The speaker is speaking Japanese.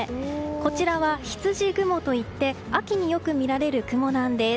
こちらは、ひつじ雲といって秋によく見られる雲なんです。